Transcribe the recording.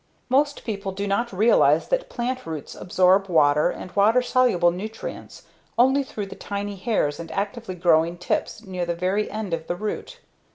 Most people do not realize that plant roots adsorb water and water soluble nutrients only through the tiny hairs and actively growing tips near the very end of the root.